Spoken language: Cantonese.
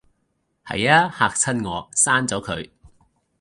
係吖，嚇親我，刪咗佢